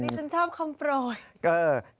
นี่ฉันชอบคำโปร่ง